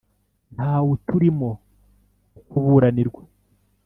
nta wuturimo wo kuburanirwa